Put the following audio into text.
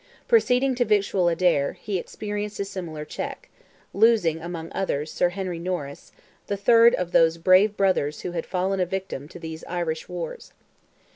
Proceeding to victual Adare, he experienced a similar check, losing among others Sir Henry Norris, the third of those brave brothers who had fallen a victim to these Irish wars.